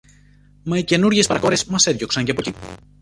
Μα οι καινούριες παρακόρες μας έδιωξαν και από κει